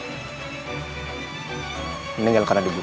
dia meninggal karena dibunuh